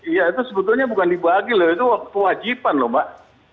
iya itu sebetulnya bukan dibagi loh itu kewajiban loh mbak